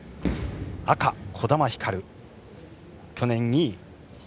赤、児玉ひかる、去年２位。